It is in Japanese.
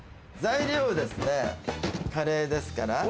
材料ですね、カレーですから。